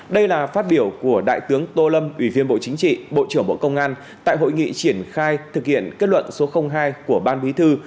đây là phát biểu của đại tướng tô lâm ủy viên bộ chính trị bộ trưởng bộ công an tại hội nghị triển khai thực hiện kết luận số hai của ban bí thư